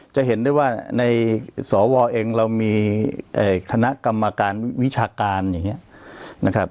จะเห็นได้ว่าในสวเองเรามีคณะกรรมการวิชาการอย่างนี้นะครับ